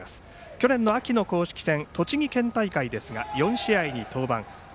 去年の秋の公式戦栃木県大会ですが４試合に登板。